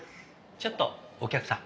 ちょっとお客さん。